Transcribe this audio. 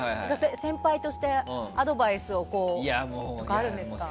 先輩として、アドバイスありますか？